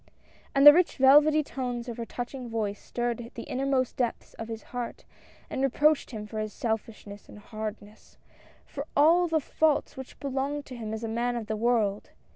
And the rich velvety tones of her touching voice stirred the innermost depths of his heart, and re proached him for his selfishness and hardness — for all the faults which belonged to him as a man of the world.